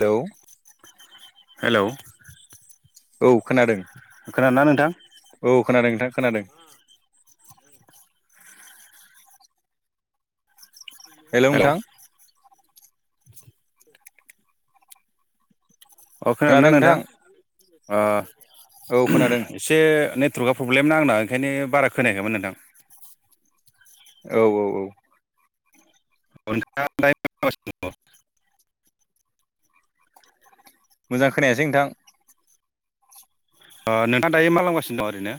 लौ हेलौ औ खोनादों। खोनादोंना नोंथां? औ खोनादों नोंथां खोनादों। हेल' हेलौ नोंथां अ खोनादोंना नोंथां? अ औ खोनादों से नेटवर्कआ प्रब्लेम ना आंना ओंखायनो बारा खोनायाखैमोन नोंथां। औ औ औ। [unintelligible] मोजां खोनायासै नोंथां। अ' नोंथां दायो मा खालामगासिनो दं ओरैनो?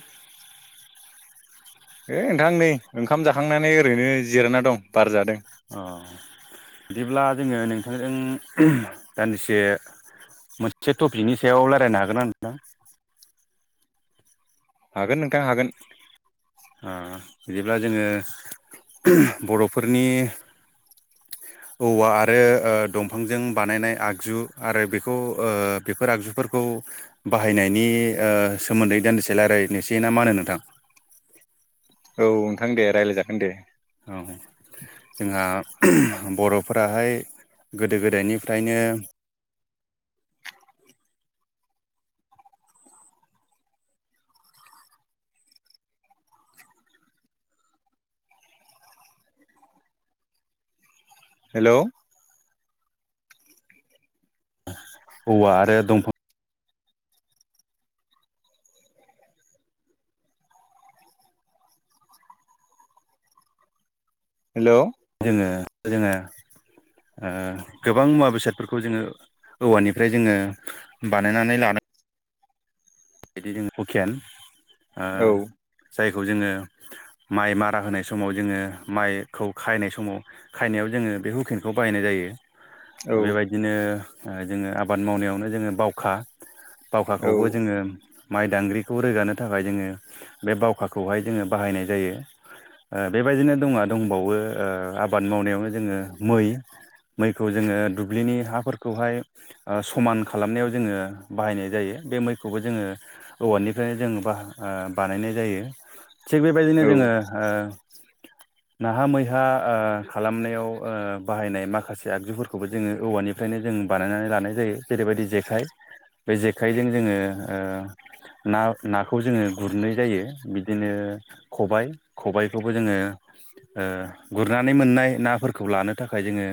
होइ नोंथां नै ओंखाम जाखांनानै ओरैनो जिरायना दं बार जादों। अ' बिदिब्ला जोङो नोंथांजों दान्दिसे मोनसे टपिकनि सायाव लारायनो हागोन ना नोंथां? हागोन नोंथां हागोन। ओ बिदिब्ला जोङो बर'फोरनि [inaudible] औवा आरो ओ दंफांजों बानायनाय आगजु आरो बेखौ ओ बेफोर आगजुफोरखौ बाहायनायनि ओ सोमोन्दै दान्दिसे लारायनोसै ना मा होनो नोंथां? औ नोंथां दे रायलाय जागोन दे। औ। जोंहा बर'फोराहाय गोदो गोदायनिफ्रायनो हेल'? औवा आरो दंफां हेल'? जोङो जोङो ओ गोबां मुवा बेसादफोरखौ जोङो औवानिफ्राय जोङो बानायनानै लानो बिदि जोङो हुखेन ओ औ जायखौ जोङो माइ मारा होनाय समाव जोङो माइखौ खायनाय समाव खायनायाव जोङो बे हुखेनखौ बाहायनाय जायो। औ बेबायदिनो ओ जोङो ओ आबाद मावनायावनो जोङो बावखा औ बावखाखौबो जोङो माइ दांग्रिखौ रोगानो थाखाय जोङो बे बावखाखौहाय जोङो बाहायनाय जायो। ओ बेबायदि दङा दंबावो ओ आबाद मावनायावनो जोङो मै। मैखौ जोङो दुब्लिनि हाफोरखौहाय ओ समान खालामनायाव जोङो बाहायनाय जायो। बे मैखौबो जोङो औवानिफ्रायनो जों बाह-ओ बानायनाय जायो। थिग बेबायदिनो औ जोङो ओ [unintelligible] नाहा मैहा ओ खालामनायाव ओ बाहायनाय माखासे आगजुफोरखौबो जोङो औवानि फ्रायनो जों बानायनानै लानाय जायो जेरैबायदि जेखाइ, बे जेखाइजों जोङो ओ ना नाखौ जोङो गुरनाय जायो बिदिनो खबाय खबायखौबो जोङो गुरनानै मोननाय नाफोरखौ लानो थाखाय जोङो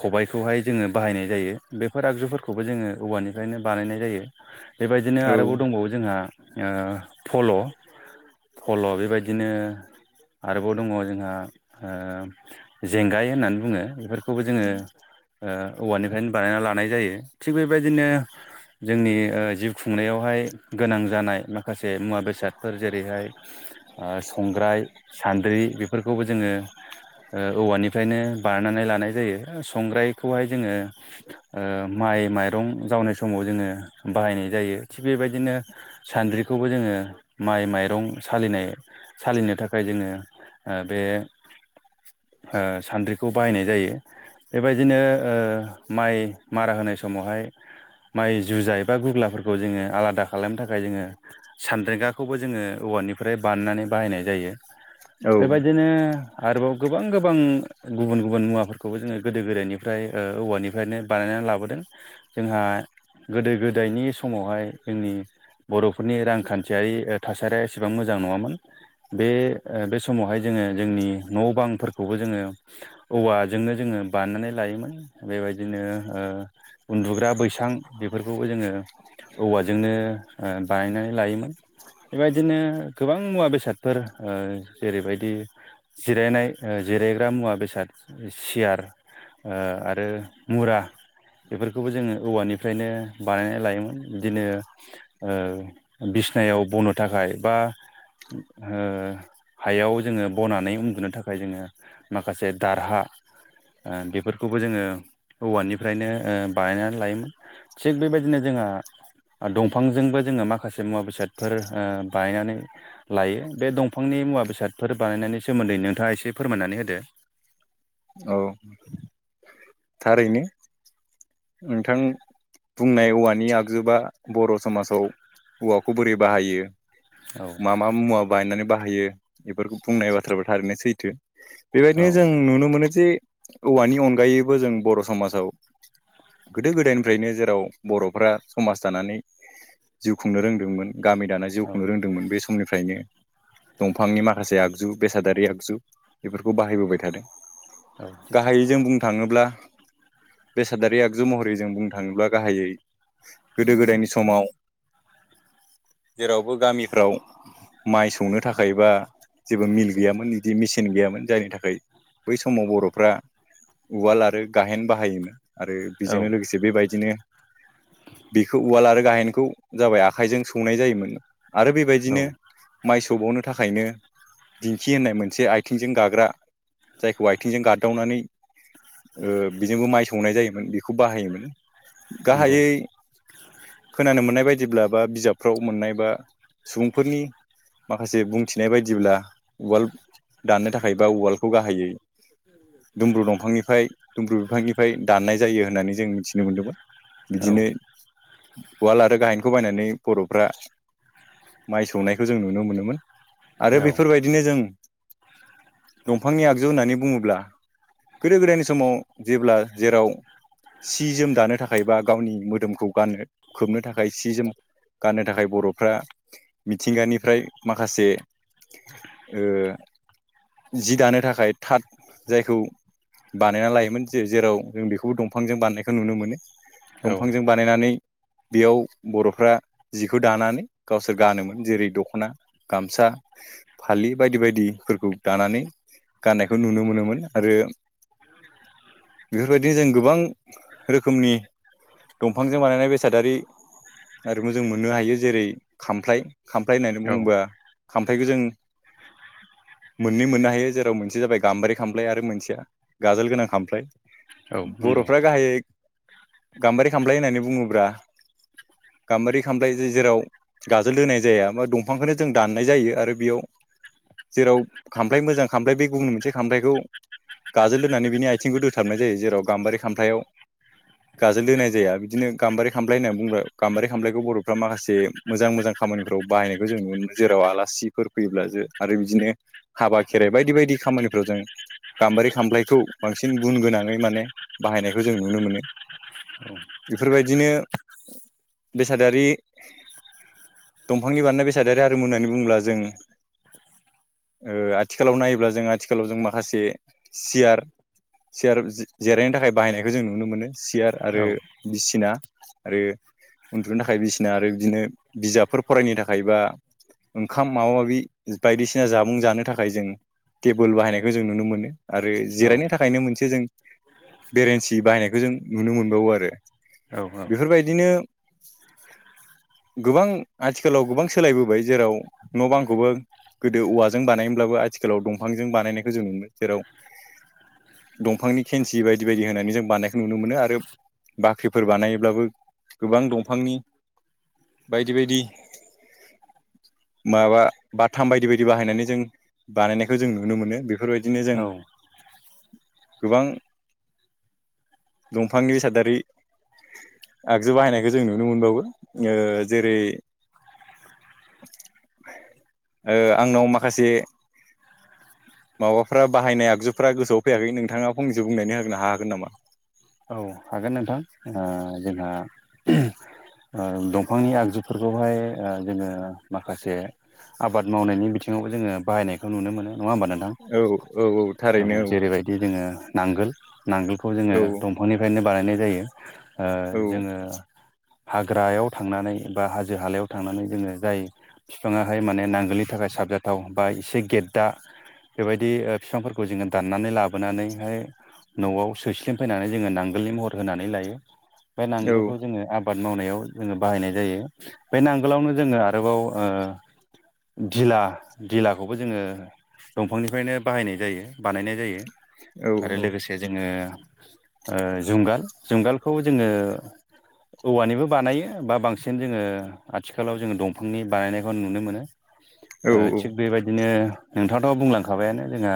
खबायाइखौहाय जोङो बाहायनाय जायो बेफोर आगजुफोरखौबो जोङो औवानिफ्रायनो बानायनाय जायो बेबायदिनो औ आरोबाव दंबावो जोंहा ओ फल' फल' बेबायदिनो आरोबाव दङ जोंहा जेंगाय होननानै बुङो बेफोर खौबो जोङो ओ औवानिफ्रायनो बानायना लानाय जायो थिग बेबायदिनो जोंनि ओ जिउ खुंनायावहाय गोनां जानाय माखासे मुवा बेसादफोर जेरैहाय ओ संग्राय सान्द्रि बेफोरखौबो जोङो ओ औवानिफ्रायनो बानायनानै लानाय जायो संग्रायखौहाय जोङो ओ माइ माइरं जावनाय समाव जोङो बाहायनाय जायो थि बेबायदिनो बिदिनो सान्द्रिखौबो जोङो माइ माइरं सालिनाय सालिनो थाखाय जोङो ओ बे ओ सान्द्रिखौ बाहायनाय जायो बेबायदिनो ओ माइ मारा होनाय समावहाय माइ जुजाय एबा गुग्लाफोरखौ जोङो आलादा खालामनो थाखाय जोङो सानद्रेंगाखौबो जोङो औवानिफ्राय बानायनानै बाहायनाय जायो बेबायदिनो आरोबाव गोबां गोबां गुबुन गुबुन मुवाफोरखौबो जोङो गोदो गोदायनिफ्राय ओ औवानिफ्रायनो बानायनानै लाबोदों जोंहा गोदो गोदायनि समावहाय जोंनि बर'फोरनि रांखान्थियारि थासारिया एसेबां मोजां नङामोन बे ओ बे समावहाय जोङो जोंनि न' बांफोरखौबो जोङो औवाजोंनो जोङो बानायनानै लायोमोन बेबायदिनो ओ उन्दुग्रा बैसां बेफोरखौबो जोङो औवाजोंनो बायनानै लायोमोन बेबायदिनो गोबां मुवा बेसादफोर ओ जेरैबायदि जिरायनाय जिरायग्रा मुवा बेसाद सियार आरो मुरा बेफोरखौबो जोङो औवानिफ्रायनो बानायनानै लायोमोन बिदिनो बिसनायाव बनो थाखाय बा हायाव जोङो बनानै उन्दुनो थाखाय जोङो माखासे दारहा बेफोरखौबो जोङो औवानिफ्रायनो बानायनानै लायोमोन थिग बेबायदिनो जोंहा दंफां जोंबो जोङो माखासे मुवा बेसादफोर बानायनानै लायो बे दंफांनि मुवा बेसादफोर बानायनायनि सोमोन्दै नोंथाङा एसे फोरमायनानै होदो औ थारैनो नोंथां बुंनाय औवानि आगजुबा बर' समाजाव औवाखौ बोरै बाहायो औ मा मा मुवा बायनानै बाहायो बेफोरखौ बुंनाय बाथ्रायाबो थारैनो सैथो औ बेबायदिनो जों नुनो मोनो [unintelligible] औवानि अनगायैबो जों बर' समाजाव गोदो गोदायनिफ्रायनो जेराव बर'फ्रा समाज दानानै जिउ खुंनो रोंदोंमोन गामि दाना जिउ खुंनो रोंदोंमोन बे समनिफ्रायनो दंफांनि माखासे आगजु बेसादारि आगजु बेफोरखौ बाहायबोबाय थादों गाहायै जों बुंनो थाङोब्ला बेसादारि आ गजु महरै जों बुंनो थाङोब्ला गाहायै गोदो गोदायनि समाव जेरावबो गामिफ्राव माइ सौनो थाखाय बा जेबो मिल गैयामोन बिदि मेसिन गैयामोन जायनि थाखाय बै समाव बर'फ्रा उवाल आरो गाहेन बाहायोमोन आरो औ बेजोंनो लोगोसे बेबायदिनो बेखौ उवाल आरो गाहेनखौ जाबाय आखाइजों सौनाय जायोमोन आरो औ बेबायदिनो माइ सौबावनो थाखायनो दिंखि होननाय मोनसे आथिंजों गाग्रा जायखौ आथिंजों गाददावनानै ओ बेजोंबो माइ सौनाय जायोमोन बेखौ बाहायोमोन। नंगौ गाहायै खोनानो मोननाय बायदिब्ला बा बिजाबफ्राव मोननाय बा सुबुंफोरनि माखासे बुंथिनाय बायदिब्ला उवाल दाननो थाखाय बा उवालखौ गाहायै दुमब्रु दंफांनिफ्राय दुमब्रु बिफांनिफ्राय दाननाय जायो होननानै जों मिथिनो मोनदोंमोन। औ बिदिनो उवाल आरो गाहेनखौ बायनानै बर'फ्रा माइ सौनायखौ जों नुनो मोनोमोन। आरो औ बेफोरबायदिनो जों दंफांनि आगजु होननानै बुङोब्ला गोदो गोदायनि समाव जेब्ला जेराव सि जोम दानो थाखाय बा गावनि मोदोमखौ गाननो खोबनो था खाय सि जोम गाननो थाखाय बर'फ्रा मिथिंगानिफ्राय माखासे ओ जि दानो थाखाय थाथ जायखौ बानायना लायोमोन जे-जेराव जों बेखौबो दं फांजों बानायनायखौ नुनो मोनो। औ दंफांजों बानायनानै बेयाव बर'फ्रा जिखौ दानानै गावसोर गानोमोन। जेरै दख'ना, गामसा, फालि बायदि बायदिफोरखौ दानानै गाननायखौ नुनो मोनोमोन आरो बेफोरबायदिनो जों गोबां रोखोमनि दंफांजों बानायनाय बेसादारि आरो जों मोननो हायो। जेरै खामफ्लाय, खामफ्लाय होननानै औ बुङोबा खामफायखौ जों मोननै मोननो हायो जेराव मोनसेया जाबाय गाम्बारि खामलाय आरो मोनसेया गाजोल गोनां खामफ्लाय। औ नंगौ बर'फ्रा गाहायै गाम्बारि खामफ्लाय होननानै बुङोब्रा गामबारि खामफ्लाय जे-जेराव गाजोल दोनाय जाया बा दंफांखौनो जों दाननाय जायो आरो बेयाव जेराव खामफ्लाय मोजां खामफ्लाय बे गुबुन मोनसे खामफ्लायखौ गाजोल दोनानै बिनि आथिंखौ दोथाबनाय जायो। जेराव गाम्बारि खामफ्लायाव गाजोल दोनाय जाया। बिदिनो गाम्बारि खामफ्लाय होननानै बुंङोब्ला गाम्बारि खामफ्लायखौ बर'फ्रा माखासे मोजां मोजां खामानिफोराव बाहायनायखौ जों नुनो मोनो। जेराव आलासिफोर फैयोब्लासो आरो बिदिनो हाबा खेराइ बायदि बायदि खामानिफ्राव जों गाम्बारि खामफ्लायखौ बांसिन गुन गोनाङै माने बाहायनायखौ जों नुनो मोनो। औ बेफोरबायदिनो बेसादारि दंफांनि बानायनाय बेसाद आरो आरिमु होननानै बुंङोब्ला जों ओ आथिखालाव नायोब्ला जों आथिखालाव जों माखासे सियार सियार जि-जिरायनो थाखाय बाहायनायखौ जों नुनो मोनो। सियार आरो औ बिसिना आरो उन्दुनो थाखाय बिसिना आरो बिदिनो बिजाबफोर फरायनो थाखाय बा ओंखाम माबा माबि बायदिसिना जामुं जानो थाखाय जों टेबोल बाहायनायखौ जों नुनो मोनो। आरो जिरायनो औ थाखायनो मोनसे जों बेरेन्सि बाहायनायखौ जों नुनो मोनबावो आरो। औ बेफोरबायदिनो गोबां आथिखालाव गोबां सोलायबोबाय जेराव न' बांखौबो गोदो औवाजों बानायोमोनब्लाबो आथिखालाव दंफांजों बानायनायखौ जों नुयो। जेराव दंफांनि खेनसि बायदि बायदि होनानै जों बानायखौ नुनो मोनो आरो बाख्रिफोर बानायोब्लाबो गोबां दंफांनि बायदि बायदि माबा बाथाम बायदि बायदि बाहायनानै जों बानायनायखौ जों नुनो मोनो। बे बेफोरबायदिनो जों गोबां दंफांनि सादारि आगजु बाहायनायखौ जों नुनो मोनबावो। ओ जेरै ओ आंनाव माखासे माबाफ्रा बाहायनाय आगजुफ्रा गोसोआव फैयाखै नोंथाङा फंनैसो बुंनानै होनो हागोन नामा? औ हागोन नोंथां। ओ जोंहा ओ दंफांनि आगजुफोरखौहाय ओ जोङो माखासे आबाद मावनायनि बिथिङावबो जोङो बाहायनायखौ नुनो मोनो नङा होमबा नों थां? औ औ औ ओ थारैनो जेरैबायदि जोङो नांगोल नांगोलखौ जोङो औ दंफांनिफ्रायनो बानायनाय जायो। ओ औ जोङो हाग्रायाव थांनानै बा हाजो हालायाव थांनानै जोङो जाय फिफाङाहाय माने नांगोलनि थाखाय साबजाथाव बा एसे गेददा बेबायदि ओ फिफांफोरखौ जोङो दाननानै लाबोनानैहाय न'आव सोस्लिम फैनानै जोङो नांगोलनि महर होनानै लायो। बे औ नांगोलखौ जोङो आबाद मावनायाव जोङो बाहायनाय जायो। बे नांगोलावनो जोङो आरोबाव ओ धिला धिलाखौबो जोङो दंफांनिफ्रायनो बाहायनाय जायो बानायनाय जायो। औ आरो लोगोसे जोङो ओ जुंगाल जुंगालखौ जोङो औवानिबो बानायो बा बांसिन जोङो आथिखालाव जोङो दंफांनि बानायनायखौ नुनो मोनो। औ ओ औ थिग बेबायदिनो नोंथाङाथ' बुंलांखाबायानो जोंहा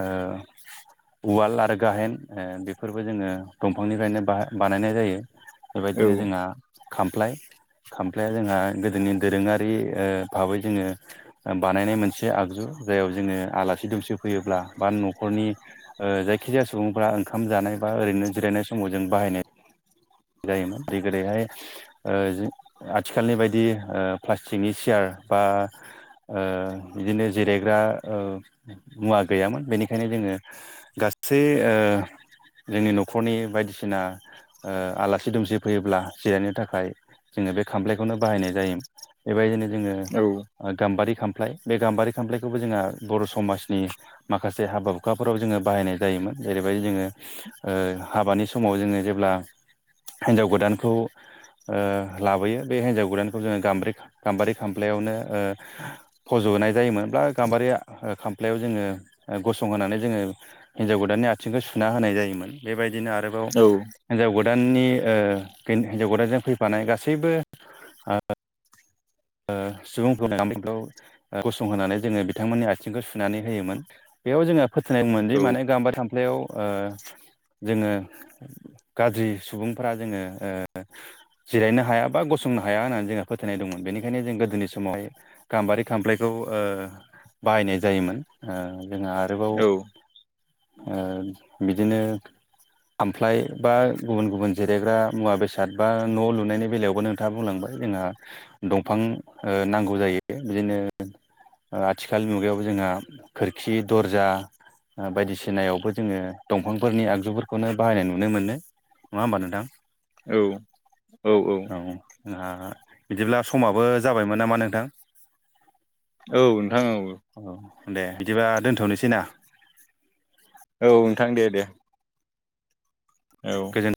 ओ उवाल आरो गाहेन ओ बेफोरबो जोङो दंफांनिफ्रायनो बा-बानायनाय जायो। बेबायदिनो जोंहा खामफ्लाय खामफ्लाया जोंहा गोदोनि दोरोङारि ओ भाबै जोङो बानायनाय मोनसे से आगजु जायाव जोङो आलासि दुमसि फैयोब्ला बा न'खरनि ओ जायखिजाया सुबुंफोरा ओंखाम जानाय बा ओरैनो जिरायनाय समाव जों बाहायनाय जायोमोन। दै गोदैहाय ओ जो आथिखालनि बायदि ओ प्लास्टिकनि सियार बा ओ बिदिनो जिरायग्रा ओ मुवा गैयामोन। बेनिखायनो जों गासै जोंनि न'खरनि बायदिसिना ओ आलासि दुमसि फैयोब्ला जिरायनो थाखाय जोङो बे खामलायखौनो बाहायनाय जायो। एबायदिनो जोङो ओ गाम्बारि खामफ्लाय बे गाम्बारि खामफ्लायखौबो जोंहा बर' समाजनि माखासे हाबा हुखाफोराव जोङो बाहायनाय जायोमोन। जेरैबायदि जोङो ओ हाबानि समाव जोङो जेब्ला हेन्जाव गोदानखौ ओ लाबोयो बे हिन्जाव गोदानखौ जोङो गाम्बारि गाम्बारि खामफ्लायावनो ओ फज'नाय जायोमोनब्ला गाम्बारिया खामफ्लायाव जोङो ओ गसंहोनानै जोङो हिनजाव गोदाननि आथिंखौ सुना होनाय जायोमोन। बेबायदिनो आरोबाव हिनजाव गो दाननि ओ हिन-हिनजाव गोदानजों फैफानाय गासैबो ओ ओ सुबुं [unintelligible] गसंहानै जोङो बिथांमोननि आथिंखौ सुनानै होयोमोन। बेयाव जोङो फोथायनाय मोनदि माने गाम्बारि खामफ्लायाव ओ जोङो गाज्रि सुबुंफोरा जोङो ओ जिरायनो हाया बा गसंनो हाया होननानै जोंहा फोथायनाय दंमोन। बेनि खायनो जों गोदोनि समावहाय गाम्बारि खामफ्लायखौ ओ बाहायनाय जायोमोन। ओ जोंहा आरोबाव ओ बिदिनो खामफ्लाय बा गुबुन गुबुन जिरायग्रा मुवा बेसाद बा न' लुनायनि बेलायावबो नों थाङा बुंलांबाय जोंहा दंफां ओ नांगौ जायो। बिदिनो ओ आथिखालनि मुगायावबो जोंहा खोरखि, दरजा ओ बायदिसिनायावबो जोङो दंफांफोरनि आगजुफोरखौनो बाहायनाय नुनो मोनो। नङा होमबा नोंथां? औ। औ जोंहा बिदिब्ला स समाबो जाबायमोन नामा नोंथां? औ नोंथां औ। औ दे बिदिबा दोनथ'नोसै ना। औ नोंथां दे दे। औ। गोजोन